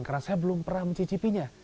karena saya belum pernah mencicipinya